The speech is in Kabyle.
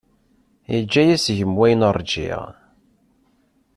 Yeǧǧa-yi seg-m wayen ṛǧiɣ.